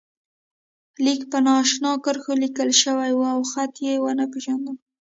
لیک په نا آشنا کرښو لیکل شوی و او خط یې و نه پېژانده.